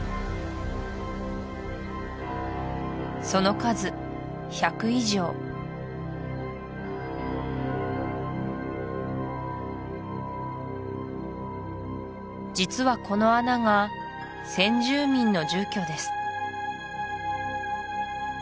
その数１００以上実はこの穴が先住民の住居です